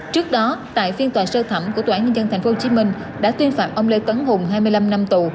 trước đó tại phiên tòa sơ thẩm của tòa án nhân dân tp hcm đã tuyên phạt ông lê tấn hùng hai mươi năm năm tù